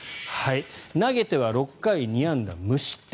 投げては６回２安打無失点。